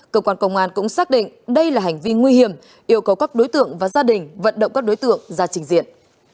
cơ quan công an cũng xác định đây là hành vi nguy hiểm yêu cầu các đối tượng và gia đình vận động các đối tượng ra trình diện